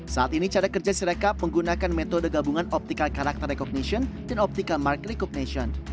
saat ini cara kerja sirekap menggunakan metode gabungan optical karakter recognition dan optical mark recugnation